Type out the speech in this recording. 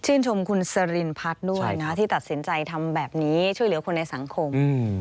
ชมคุณสรินพัฒน์ด้วยนะที่ตัดสินใจทำแบบนี้ช่วยเหลือคนในสังคม